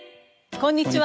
こんにちは。